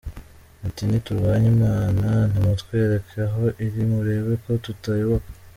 Muti ntiturwanya Imana nimutwereke aho iri murebe ko tutayoboka?